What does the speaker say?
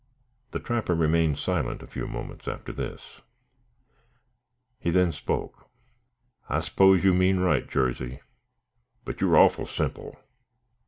The trapper remained silent a few moments after this. He then spoke: "I s'pose you mean right, Jarsey, but you're awful simple.